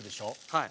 はい。